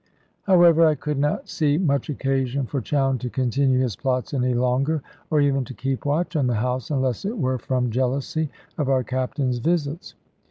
However, I could not see much occasion for Chowne to continue his plots any longer, or even to keep watch on the house, unless it were from jealousy of our Captain's visits.